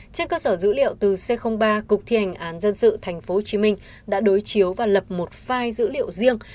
trên cơ sở dữ liệu từ c ba cục thi hành án dân sự tp hcm đã đối chiếu và lập một file dữ liệu riêng